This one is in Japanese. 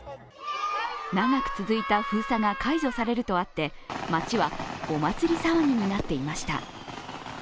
長く続いた封鎖が解除されるとあって街は、お祭り騒ぎになっていました